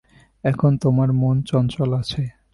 এখন তোমার মন চঞ্চল আছে।